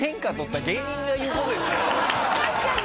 確かに。